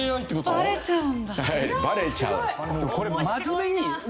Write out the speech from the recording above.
はいバレちゃう。